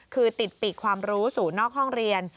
คือติดปีกความรู้สู่นอกห้องเรียน